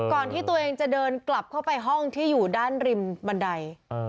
ก่อนที่ตัวเองจะเดินกลับเข้าไปห้องที่อยู่ด้านริมบันได